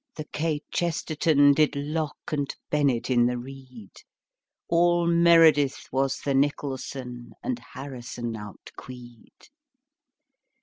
The kchesterton Did locke and bennett in the reed. All meredith was the nicholson, And harrison outqueed.